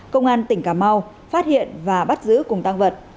công an tỉnh cà mau phát hiện và bắt giữ cùng tăng vật